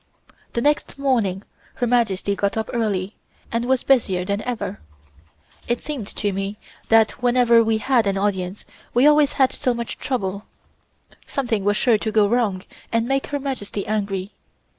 The next morning Her Majesty got up early, and was busier than ever. It seemed to me that whenever we had an audience we always had so much trouble. Something was sure to go wrong and make Her Majesty angry.